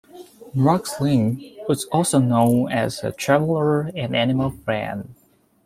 Marc Sleen was also known as a traveller and animal friend.